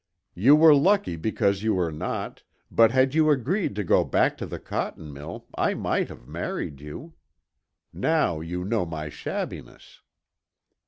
"You were lucky because you were not, but had you agreed to go back to the cotton mill, I might have married you. Now you know my shabbiness."